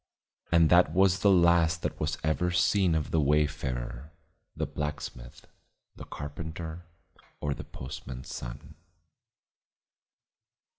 And that was the last that was ever seen of the wayfarer; the blacksmith, the carpenter or the postman's son.